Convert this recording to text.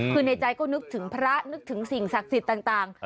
คือในใจก็นึกถึงพระนึกถึงสิ่งศักดิ์สิทธิ์ต่าง